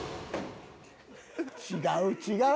違う違う。